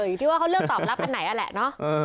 อยู่ที่ว่าเขาเลือกตอบรับอันไหนนั่นแหละเนาะ